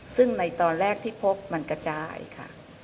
ซึ่งในตอนแรกที่พบมันกระจายค่ะ